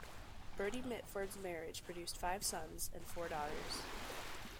Bertie Mitford's marriage produced five sons and four daughters.